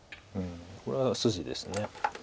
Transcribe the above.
これは筋です。